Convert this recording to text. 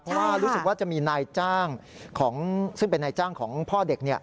เพราะว่ารู้สึกว่าจะมีนายจ้างซึ่งเป็นนายจ้างของพ่อเด็ก